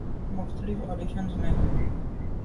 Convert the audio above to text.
مختلف آڈیشنزمیں